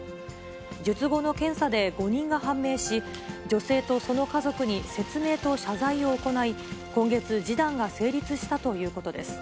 術後の検査で誤認が判明し、女性とその家族に説明と謝罪を行い、今月、示談が成立したということです。